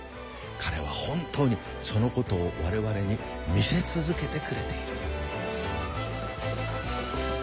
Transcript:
彼は本当にそのことを我々に見せ続けてくれている。